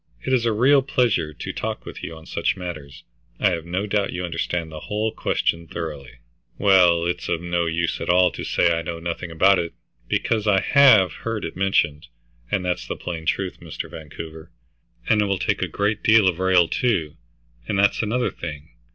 It is a real pleasure to talk with you on such matters. I have no doubt you understand the whole question thoroughly." "Well, it's of no use at all to say I know nothing about it, because I have heard it mentioned, and that's the plain truth, Mr. Vancouver. And it will take a deal of rail, too, and that's another thing.